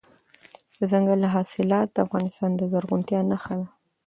دځنګل حاصلات د افغانستان د زرغونتیا نښه ده.